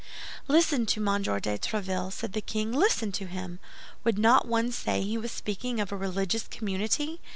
"Listen to Monsieur de Tréville," said the king; "listen to him! Would not one say he was speaking of a religious community?